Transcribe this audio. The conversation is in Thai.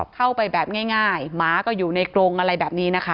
เข้าไปแบบง่ายหมาก็อยู่ในกรงอะไรแบบนี้นะคะ